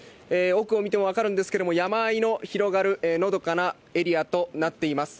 奥を見ても分かるんですけれども、山あいの広がるのどかなエリアとなっています。